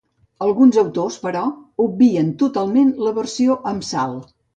Alguns autors, però, obvien totalment la versió amb salt.